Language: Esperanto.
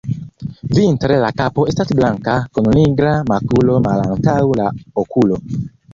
Vintre la kapo estas blanka kun nigra makulo malantaŭ la okulo.